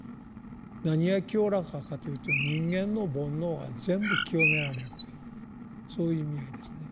何が浄らかかというと人間の煩悩は全部浄められるというそういう意味合いですね。